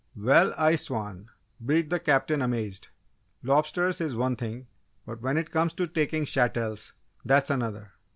"Well, I swan!" breathed the Captain amazed. "Lobsters is one thing, but when it comes to taking chattels that's another!"